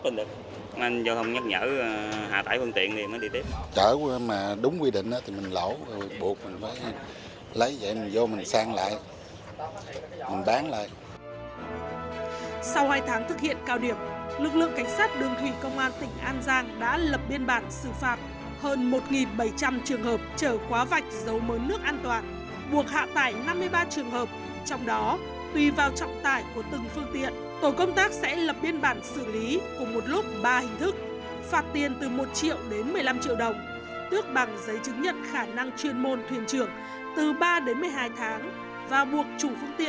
phạt tiền từ một triệu đến một mươi năm triệu đồng tước bằng giấy chứng nhận khả năng chuyên môn thuyền trưởng từ ba đến một mươi hai tháng và buộc chủ phương tiện phải hạ tải theo quy định